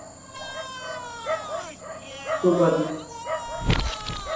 সরহপা, কাহ্নপা প্রমুখ যোগী এগুলির রচয়িতা।